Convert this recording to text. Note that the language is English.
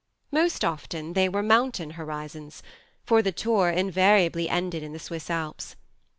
Most often they were mountain horizons, for the tour invariably ended in the Swiss Alps.